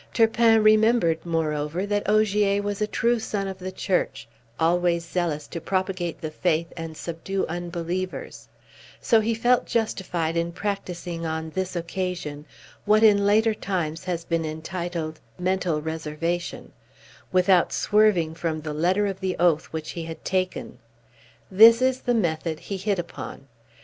Turpin remembered, moreover, that Ogier was a true son of the Church, always zealous to propagate the faith and subdue unbelievers; so he felt justified in practising on this occasion what in later times has been entitled "mental reservation," without swerving from the letter of the oath which he had taken. This is the method he hit upon.